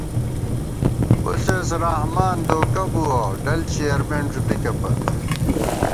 پُݪېس رحمان دوکہ بُوَہ ڈل چېرمېن ݫُوپِکے پت